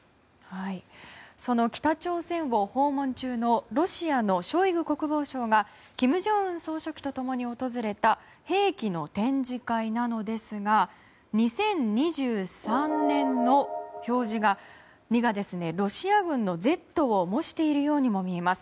その北朝鮮を訪問中のロシアのショイグ国防相が金正恩総書記と共に訪れた兵器の展示会なのですが２０２３年の表示の「２」がロシア軍の「Ｚ」を模しているようにも見えます。